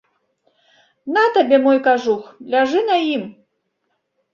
На табе мой кажух, ляжы на ім.